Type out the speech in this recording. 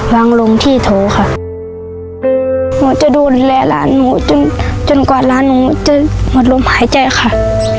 ลงที่โถค่ะคือหนูจะดูแลหลานหนูจนจนกว่าร้านหนูจะหมดลมหายใจค่ะ